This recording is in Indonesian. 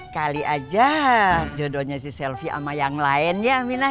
kali aja jodohnya si selfie sama yang lain ya mina